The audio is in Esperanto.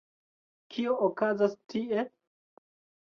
Kio okazas tie?